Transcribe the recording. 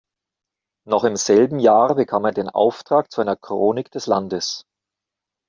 Noch im selben Jahr bekam er den Auftrag zu einer Chronik des Landes.